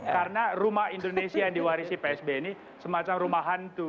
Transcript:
karena rumah indonesia yang diwarisi psb ini semacam rumah hantu